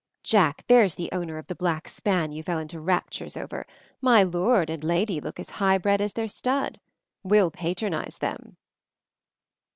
"Jack, there's the owner of the black span you fell into raptures over. My lord and lady look as highbred as their stud. We'll patronize them!"